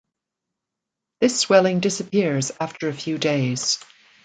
This swelling disappears after a few days.